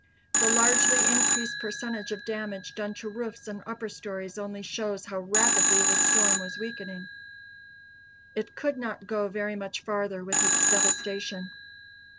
The largely increased percentage of damage done to roofs and upper stories only shows how rapidly the storm was weakening. It could not go very much farther with its devastation.